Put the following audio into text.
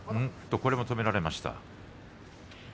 これも止められました。